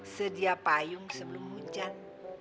sedia payung sebelum hujan